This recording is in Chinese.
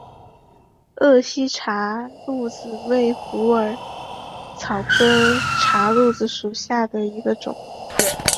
鄂西茶藨子为虎耳草科茶藨子属下的一个种。